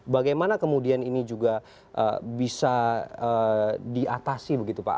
bagaimana kemudian ini juga bisa diatasi begitu pak